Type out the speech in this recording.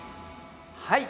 はい。